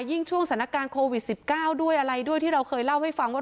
ช่วงสถานการณ์โควิด๑๙ด้วยอะไรด้วยที่เราเคยเล่าให้ฟังว่า